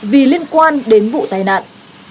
vì liên quan đến vụ tai nạn